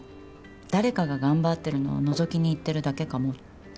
誰かが頑張ってるのをのぞきに行ってるだけかもって。